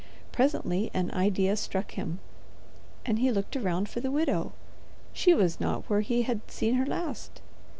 Presently an idea struck him, and he looked around for the widow. She was not where he had seen her last.